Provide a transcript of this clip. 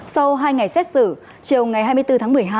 sau hai ngày xét xử chiều ngày hai mươi bốn tháng một mươi hai